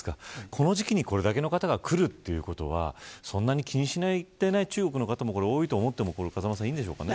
この時期にこれだけの方が来るのはそれほど気にしていない中国の方も多いと思っていいんでしょうか。